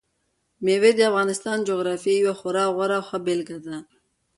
مېوې د افغانستان د جغرافیې یوه خورا غوره او ښه بېلګه ده.